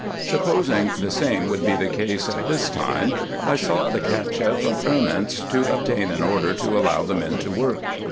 Supposing the same would be the case at this time, I sought the Cacheff of Erments, to obtain an order to allow the men to work.